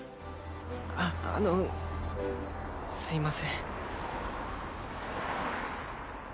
ああのすいません。